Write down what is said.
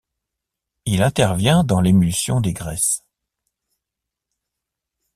Il intervient dans l'émulsion des graisses.